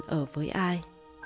con ở với ai